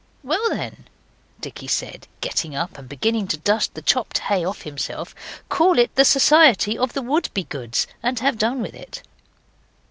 'Well, then,' Dicky said, getting up and beginning to dust the chopped hay off himself, 'call it the Society of the Wouldbegoods and have done with it.